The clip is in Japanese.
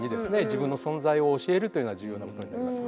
自分の存在を教えるというのは重要なことになりますよね。